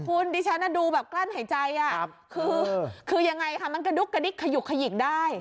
คุณดิฉันดูแบบกลั้นหายใจคือยังไงค่ะมันกระดุ๊กกระดิ๊กขยุกขยิกได้